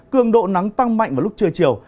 cường độ nắng tăng mạnh vào lúc trưa chiều